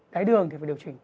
đáy đường thì phải điều chỉnh